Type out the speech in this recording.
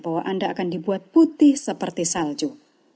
bahwa anda akan dibuat putih seperti salju